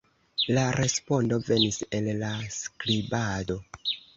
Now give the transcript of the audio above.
La respondo venis el la skribado.